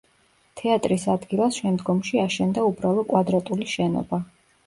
თეატრის ადგილას შემდგომში აშენდა უბრალო კვადრატული შენობა.